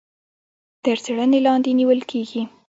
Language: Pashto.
تر څيړنې لاندي نيول کېږي.